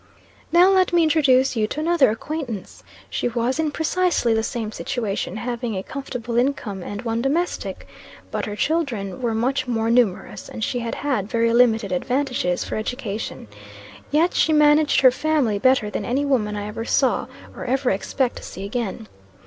"Now let me introduce you to another acquaintance. She was in precisely the same situation, having a comfortable income and one domestic; but her children were much more numerous, and she had had very limited advantages for education. Yet she managed her family better than any woman I ever saw, or ever expect to see again.